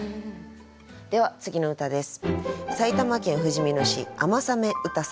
では次の歌です。